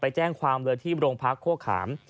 ไปแจ้งความเวลาที่โรงพักษณ์โฆขาม